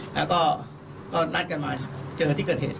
แล้วก็นัดกันมาเจอที่เกิดเหตุ